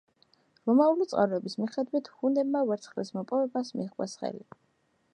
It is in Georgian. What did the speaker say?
რომაული წყაროების მიხედვით, ჰუნებმა ვერცხლის მოპოვებას მიჰყვეს ხელი.